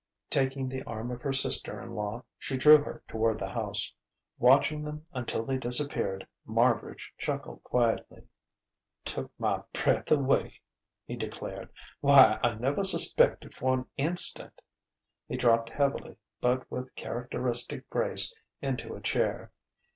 Taking the arm of her sister in law, she drew her toward the house. Watching them until they disappeared, Marbridge chuckled quietly. "Took my breath away!" he declared. "Why, I never suspected for an instant!..." He dropped heavily but with characteristic grace into a chair.